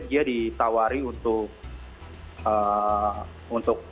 dia ditawari untuk